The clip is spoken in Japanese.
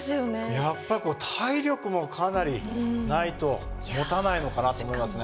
やっぱ体力もかなりないともたないのかなと思いますね。